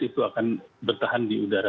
itu akan bertahan di udara